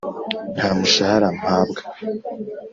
nta mushahara mpabwa